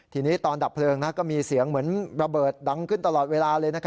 ทีนี้ตอนดับเพลิงก็มีเสียงเหมือนระเบิดดังขึ้นตลอดเวลาเลย